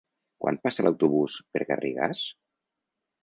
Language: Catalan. Quan passa l'autobús per Garrigàs?